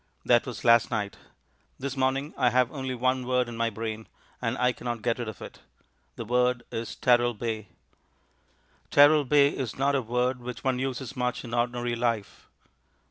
That was last night. This morning I have only one word in my brain, and I cannot get rid of it. The word is "Teralbay." Teralbay is not a word which one uses much in ordinary life.